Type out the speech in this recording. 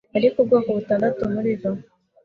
ariko ubwoko butandatu muri zo